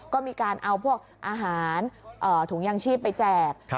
ก็มีการเอาพวกอาหารถุงยางชีพไปแจก